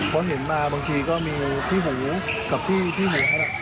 เพราะเห็นมาบางทีก็มีพี่หูกับพี่แฮด